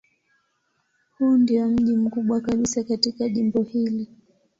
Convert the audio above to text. Huu ndiyo mji mkubwa kabisa katika jimbo hili.